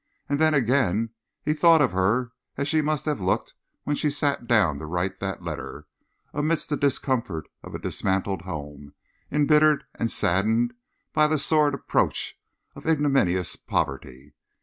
And then again he thought of her as she must have looked when she sat down to write that letter, amidst the discomfort of a dismantled home, embittered and saddened by the sordid approach of ignominious poverty.